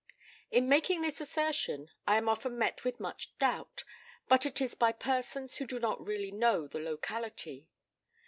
In making this assertion I am often met with much doubt, but it is by persons who do not really know the locality.